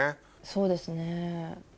そうですね。